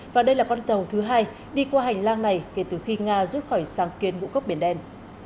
và đây là con tàu thứ hai đi qua hành lang này kể từ khi nga rút khỏi sáng kiến ngũ cốc biển đen